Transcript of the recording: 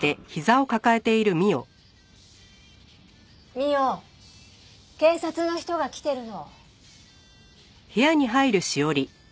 未央警察の人が来てるの。